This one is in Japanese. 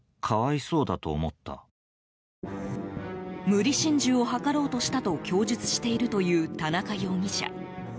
無理心中を図ろうとしたと供述しているという田中容疑者。